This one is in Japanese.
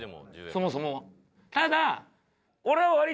そもそもは。